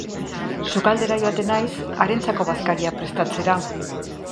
Sukaldera joaten naiz harentzako bazkaria prestatzera.